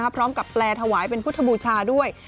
พร้อมกับแปลถวายเป็นพุทธบูชาด้วย